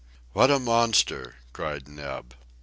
"What a monster!" cried Neb.